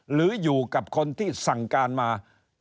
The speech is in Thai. หรืออยู่กับคนที่สั่งการมา